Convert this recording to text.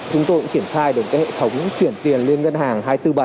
chúng tôi cũng triển khai được hệ thống chuyển tiền liên ngân hàng hai trăm bốn mươi bảy